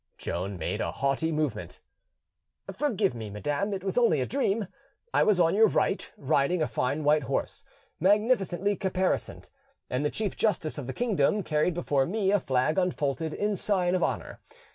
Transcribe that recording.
Joan made a haughty movement: "Forgive me, madam, it was only a dream: I was on your right, riding a fine white horse, magnificently caparisoned, and the chief justice of the kingdom carried before me a flag unfolded in sign of honour.